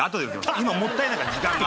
今もったいないから時間が。